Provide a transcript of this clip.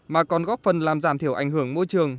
mà còn góp phần làm giảm thiểu ảnh hưởng môi trường